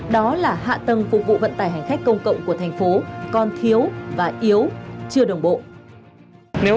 đó là hạ tầng phục vụ vận tải hành khách công cộng của thành phố còn thiếu và yếu chưa đồng bộ